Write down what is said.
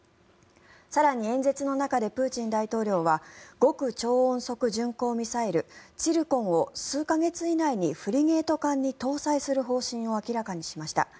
更に演説の中でプーチン大統領は極超音速巡航ミサイルツィルコンを、数か月以内にフリゲート艦に搭載する方針を明らかにしました。